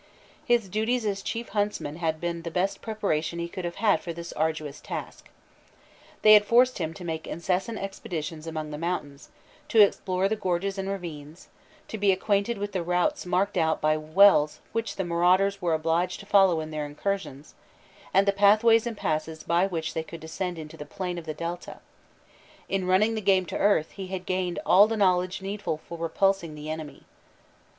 His duties as Chief Huntsman had been the best preparation he could have had for this arduous task. They had forced him to make incessant expeditions among the mountains, to explore the gorges and ravines, to be acquainted with the routes marked out by wells which the marauders were obliged to follow in their incursions, and the pathways and passes by which they could descend into the plain of the Delta; in running the game to earth, he had gained all the knowledge needful for repulsing the enemy.